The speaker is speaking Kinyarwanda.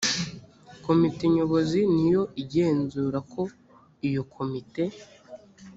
komite nyobozi ni yo igenzura ko iyo komite